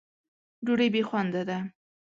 ډوډۍ بې خونده ده.